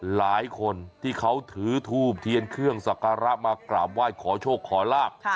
หลายคนที่เขาถือทูบเทียนเครื่องสักการะมากราบไหว้ขอโชคขอลาบ